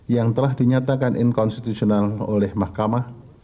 yang telah dinyatakan inkonstitusional oleh mahkamah